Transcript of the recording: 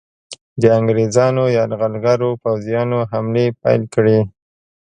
د انګریزانو یرغلګرو پوځیانو حملې پیل کړې.